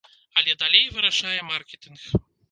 Але далей вырашае маркетынг.